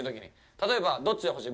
例えば、どっちの欲しい？